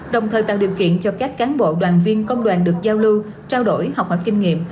đồng thời tạo điều kiện cho các cán bộ đoàn viên công đoàn được giao lưu trao đổi học hỏi kinh nghiệm